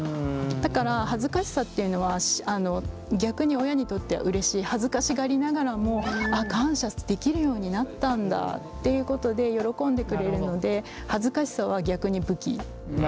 だから恥ずかしさっていうのは逆に親にとってはうれしい恥ずかしがりながらも感謝できるようになったんだっていうことで喜んでくれるので恥ずかしさは逆に武器。